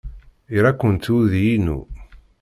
Ira-kent uydi-inu.